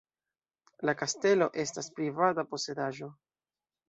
La kastelo estas privata posedaĵo.